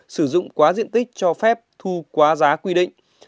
sử dụng quá diện tích cho phép thu quá giá quy định